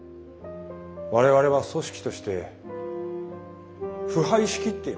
我々は組織として腐敗しきっています。